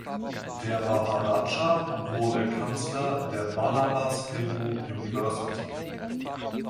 Der Maharaja wurde Kanzler der Banaras Hindu University.